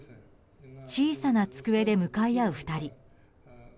小さな机で向かい合う２人。